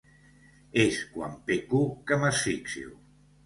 És quan peco que m'asfixio.